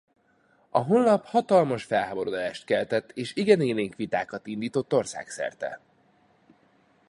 A honlap hatalmas felháborodást keltett és igen élénk vitákat indított országszerte.